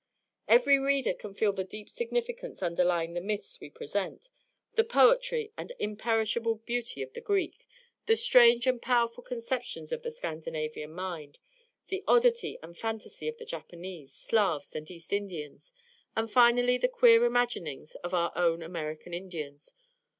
Every reader can feel the deep significance underlying the myths we present the poetry and imperishable beauty of the Greek, the strange and powerful conceptions of the Scandinavian mind, the oddity and fantasy of the Japanese, Slavs, and East Indians, and finally the queer imaginings of our own American Indians.